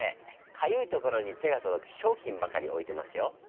かゆいところに手が届く商品ばかりを置いてますよ。